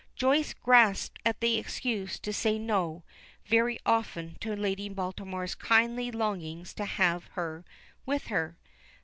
Joyce grasped at this excuse to say "no" very often to Lady Baltimore's kindly longings to have her with her.